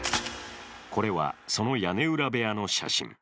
これはその屋根裏部屋の写真。